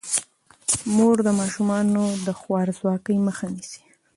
مور د ماشومانو د خوارځواکۍ مخه نیسي.